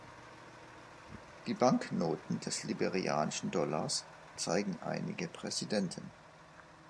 Die Banknoten des Liberianischen Dollars zeigen einige Präsidenten.